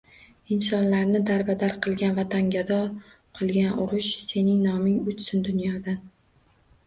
Insonlarni darbadar qilgan, vatangado qilgan urush — sening noming o‘chsin dunyodan...